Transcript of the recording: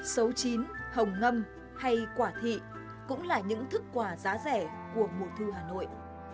sấu chín hồng ngâm hay quả thị cũng là những thức quà giá rẻ của mùa thu hà nội